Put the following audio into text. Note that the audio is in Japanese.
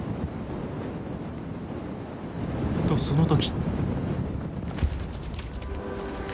とその時。